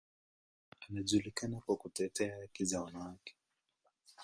Anajulikana kwa kutetea haki za wanawake.